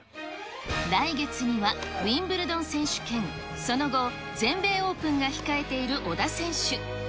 来月にはウィンブルドン選手権、その後、全米オープンが控えている小田選手。